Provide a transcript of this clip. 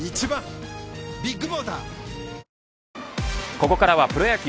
ここからはプロ野球。